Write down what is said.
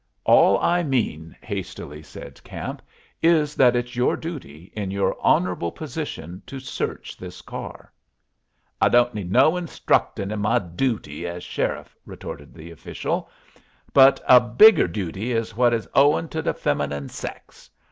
"All I mean," hastily said Camp, "is that it's your duty, in your honorable position, to search this car." "I don't need no instructin' in my dooty as sheriff," retorted the official. "But a bigger dooty is what is owin' to the feminine sex.